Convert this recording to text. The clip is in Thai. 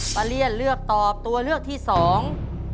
เลี่ยนเลือกตอบตัวเลือกที่สอง